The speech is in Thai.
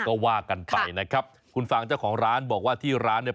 ก็ว่ากันไปนะครับคุณฟังเจ้าของร้านบอกว่าที่ร้านเนี่ย